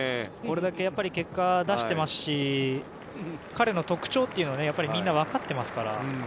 これだけ結果を出していますし彼の特徴というのをみんな分かっていますから。